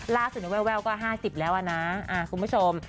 ล่าสุดแววก็๕๐แล้วอะนะคุณผู้ชม